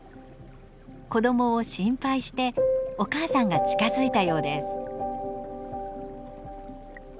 子どもを心配してお母さんが近づいたようです。